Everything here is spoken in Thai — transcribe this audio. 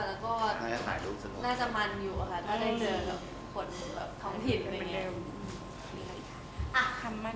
แล้วคงมันอยู่ถ้าได้เจอผลของผิด